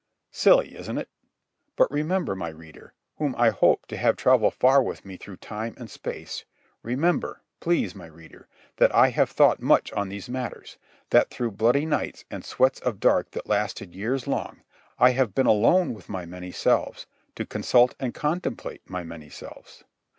Silly, isn't it? But remember, my reader, whom I hope to have travel far with me through time and space—remember, please, my reader, that I have thought much on these matters, that through bloody nights and sweats of dark that lasted years long, I have been alone with my many selves to consult and contemplate my many selves.